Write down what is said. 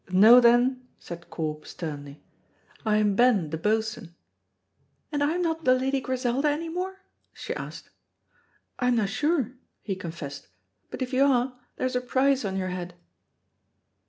"Know, then," said Corp, sternly, "I am Ben the Boatswain." "And am I not the Lady Griselda any more?" she asked. "I'm no sure," he confessed; "but if you are, there's a price on your head."